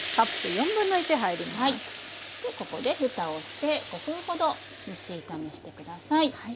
ここでふたをして５分ほど蒸し炒めして下さい。